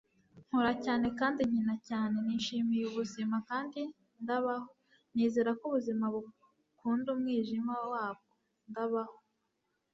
nkora cyane, kandi nkina cyane. nishimiye ubuzima. kandi ndabaho - nizera ko ubuzima bukunda umwijima wabwo. ndabaho